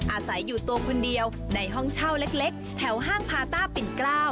อาศัยอยู่ตัวคนเดียวในห้องเช่าเล็กแถวห้างพาต้าปิ่นเกล้า